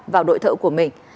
vào đội thợ của mình